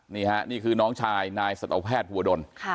นี่ค่ะนี่คือน้องชายนายสัตวแพทย์ภูวดล